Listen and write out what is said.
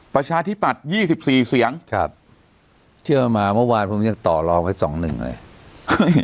ประชาธิปัตยี่สิบสี่เสียงครับเชื่อมาเมื่อวานผมยังต่อรองไว้สองหนึ่งเลย